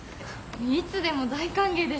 いつでも大歓迎です。